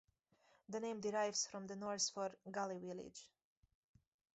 The name derives from the Norse for "gully village".